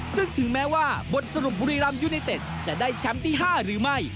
ซึ่งถึงแม้ว่าบทสรุปบุรีรำยูไนเต็ดจะได้แชมป์ที่๕หรือไม่